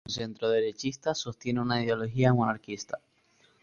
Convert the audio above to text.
De posición centroderechista, sostiene una ideología monarquista.